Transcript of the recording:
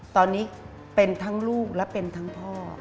ตอนนี้เป็นทั้งลูกและเป็นทั้งพ่อ